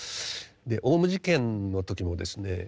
オウム事件の時もですね